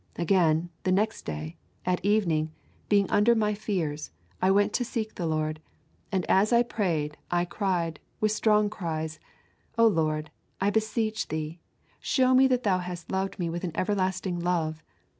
Again, the next day, at evening, being under many fears, I went to seek the Lord, and as I prayed, I cried, with strong cries: O Lord, I beseech Thee, show me that Thou hast loved me with an everlasting love.